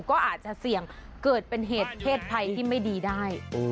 ก็อาจจะเสี่ยงเกิดเป็นเหตุเพศภัยที่ไม่ดีได้